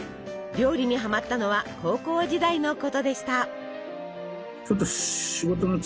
料理にハマったのは高校時代のことでした。